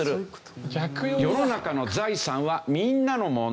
世の中の財産はみんなのもの。